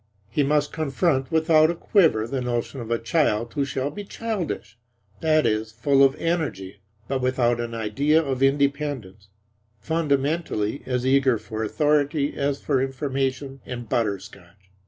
He must confront without a quiver the notion of a child who shall be childish, that is, full of energy, but without an idea of independence; fundamentally as eager for authority as for information and butter scotch.